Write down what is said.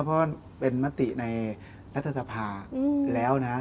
เพราะเป็นมติในรัฐธภาษณ์แล้ว